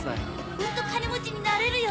うんと金持ちになれるよ。